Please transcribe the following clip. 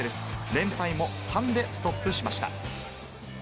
連敗も３でストップしました。